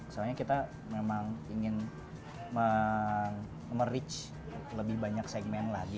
soalnya kita memang ingin merich lebih banyak segmen lagi